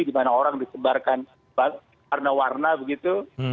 dimana orang disebarkan warna warna begitu